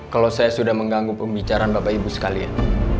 kalau saya sudah mengganggu pembicaraan bapak ibu sekalian